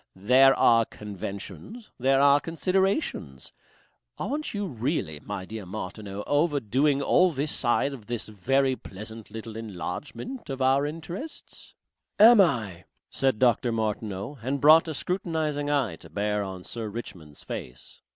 There are conventions, there are considerations.... Aren't you really, my dear Martineau, overdoing all this side of this very pleasant little enlargement of our interests." "AM I?" said Dr. Martineau and brought a scrutinizing eye to bear on Sir Richmond's face.